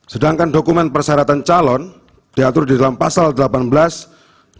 sedangkan dokumen persyaratan calon diatur dalam pasal delapan belas dianggap dibacakan